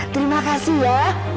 terima kasih ya